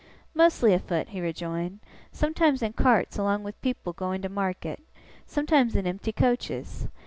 'Mostly a foot,' he rejoined; 'sometimes in carts along with people going to market; sometimes in empty coaches.